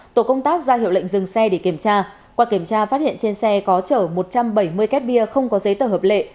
tổ công tác ra hiệu lệnh dừng xe để kiểm tra qua kiểm tra phát hiện trên xe có chở một trăm bảy mươi két bia không có giấy tờ hợp lệ